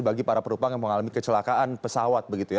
bagi para perupang yang mengalami kecelakaan pesawat